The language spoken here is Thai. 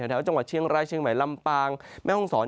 แถวจังหวัดเชียงรายเชียงใหม่ลำปางแม่ห้องศร